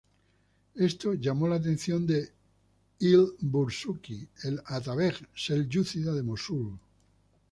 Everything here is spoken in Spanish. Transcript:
Esto llamó la atención de il-Bursuqi, el atabeg selyúcida de Mosul.